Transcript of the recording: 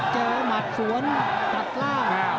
หมัดสวนตัดล่าง